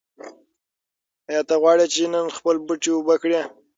ایا ته غواړې چې نن خپل بوټي اوبه کړې؟